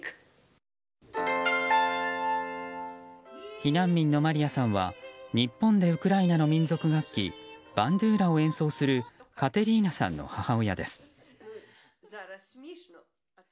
避難民のマリヤさんは日本でウクライナの民族楽器バンドゥーラを演奏するカテリーナさんの母親です。